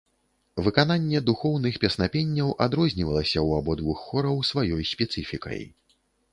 Выкананне духоўных песнапенняў адрознівалася ў абодвух хораў сваёй спецыфікай.